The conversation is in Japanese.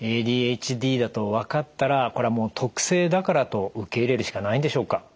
ＡＤＨＤだと分かったらこれはもう特性だからと受け入れるしかないんでしょうか？